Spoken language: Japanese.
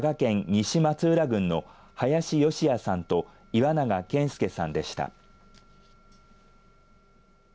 西松浦郡の林善也さんと岩永健介さんでした。